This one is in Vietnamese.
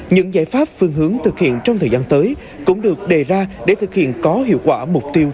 những giải pháp phương hướng thực hiện trong thời gian tới cũng được đề ra để thực hiện có hiệu quả mục tiêu